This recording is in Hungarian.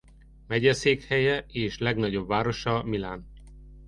Megyeszékhelye és legnagyobb városa Milan.